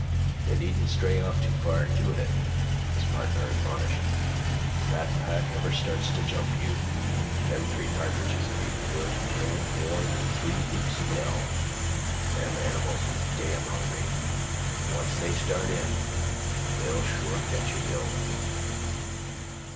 "You needn't stray off too far in doin' it," his partner admonished. "If that pack ever starts to jump you, them three cartridges'd be wuth no more'n three whoops in hell. Them animals is damn hungry, an' once they start in, they'll sure get you, Bill."